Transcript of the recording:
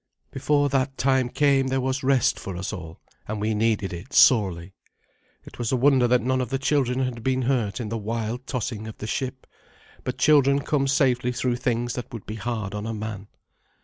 Before that time came there was rest for us all, and we needed it sorely. It was a wonder that none of the children had been hurt in the wild tossing of the ship, but children come safely through things that would be hard on a man.